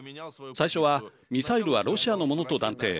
最初はミサイルはロシアのものと断定。